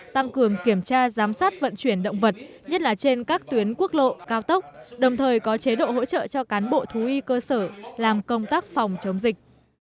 tăng cường kiểm tra giám sát vận chuyển động vật nhất là trên các tuyến quốc lộ cao tốc đồng thời có chế độ hỗ trợ cho cán bộ thú y cơ sở làm công tác phòng chống dịch